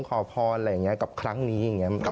อะไรอย่างนี้กับครั้งนี้